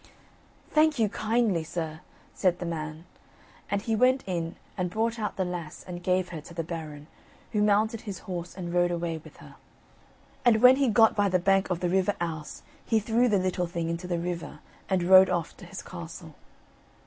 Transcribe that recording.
"Thank you kindly, sir," said the man; and he went in and brought out the lass and gave her to the Baron, who mounted his horse and rode away with her. And when he got by the bank of the river Ouse, he threw the little, thing into the river, and rode off to his castle.